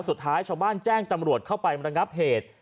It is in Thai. สุดท้ายชาวบ้านแจ้งตำรวจเข้าไประงับเหตุ